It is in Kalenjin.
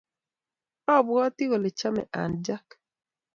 Abwati kole chame Ann jack